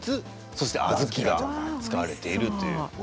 そして小豆が使われていると。